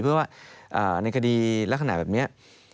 เพราะว่าในคดีละขนาดแบบนี้